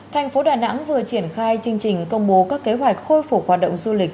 thành phố đà nẵng vừa triển khai chương trình công bố các kế hoạch khôi phục hoạt động du lịch